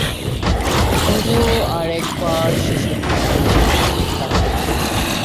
তবুও আর একবার সে সত্যুর কাছে গেল।